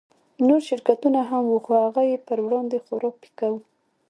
نور شرکتونه هم وو خو هغه يې پر وړاندې خورا پيکه وو.